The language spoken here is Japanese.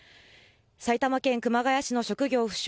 埼玉県熊谷市の職業不詳